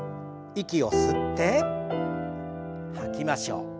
息を吸って吐きましょう。